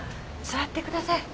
座ってください。